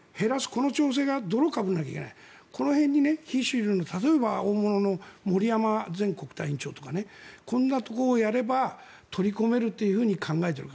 この調整が泥をかぶらなければならないこの辺が非主流派の例えば大物の森山前国対委員長とかこんなところをやれば取り込めると考えている。